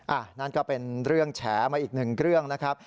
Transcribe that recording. นั่นก็เป็นเรื่องแฉมาอีกหนึ่งเรื่องนะครับ